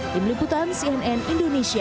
di meliputan cnn indonesia